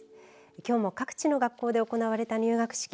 きょうも各地の学校で行われた入学式。